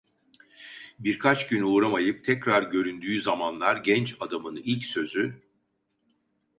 Birkaç gün uğramayıp tekrar göründüğü zamanlar genç adamın ilk sözü: